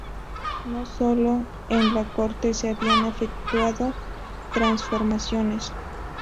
No solo en la corte se habían efectuado transformaciones.